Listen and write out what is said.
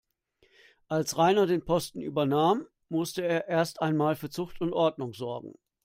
Als Rainer den Posten übernahm, musste er erst einmal für Zucht und Ordnung sorgen.